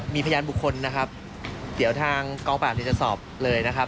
มีพยานบุคคลนะครับเดี๋ยวทางกองปราบเดี๋ยวจะสอบเลยนะครับ